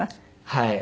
はい。